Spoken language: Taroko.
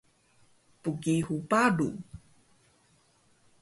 Bgihur paru